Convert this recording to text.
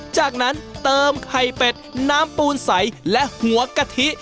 จากนั้นเติมไข่เป็ดน้ำปูนใสและหัวกะทิ